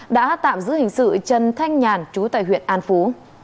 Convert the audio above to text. đã tạm giữ hình sự trần thanh nhàn chú tại huyện an phú